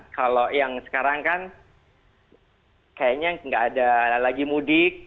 kalau yang sekarang kan kayaknya nggak ada lagi mudik